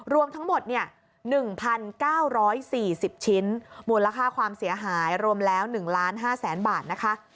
รวมทั้งหมด๑๙๔๐ชิ้นมูลค่าความเสียหายรวมแล้ว๑๕๐๐๐๐บาทนะคะ